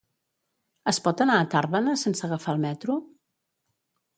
Es pot anar a Tàrbena sense agafar el metro?